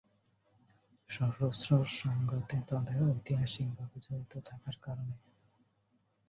সশস্ত্র সংঘাতে তাদের ঐতিহাসিকভাবে জড়িত থাকার কারণে।